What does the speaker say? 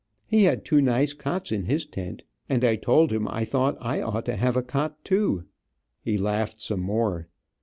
He had two nice cots in his tent, and I told him I thought I ought to have a cot, too. He laughed some more.